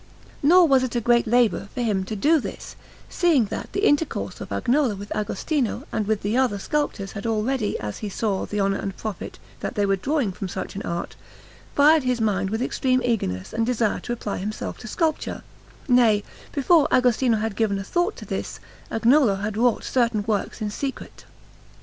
Nor was it a great labour for him to do this, seeing that the intercourse of Agnolo with Agostino and with the other sculptors had already, as he saw the honour and profit that they were drawing from such an art, fired his mind with extreme eagerness and desire to apply himself to sculpture; nay, before Agostino had given a thought to this, Agnolo had wrought certain works in secret.